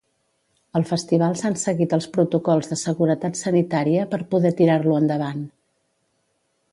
Al festival s'han seguit els protocols de seguretat sanitària per poder tirar-lo endavant.